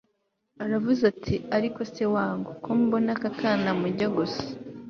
aravuze ati ariko se wangu, ko mbona aka kana mujya gusa